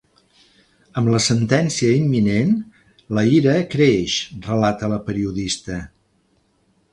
Amb la sentència imminent, la ira creix, relata la periodista.